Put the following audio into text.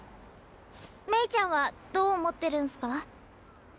メイちゃんはどう思ってるんすか？